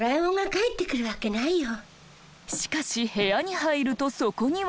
しかし部屋に入るとそこには。